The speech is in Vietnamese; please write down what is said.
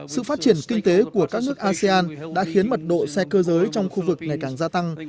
sự phát triển kinh tế của các nước asean đã khiến mật độ xe cơ giới trong khu vực ngày càng gia tăng